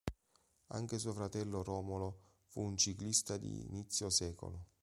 Anche suo fratello Romolo fu un ciclista di inizio secolo.